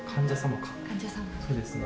そうですね。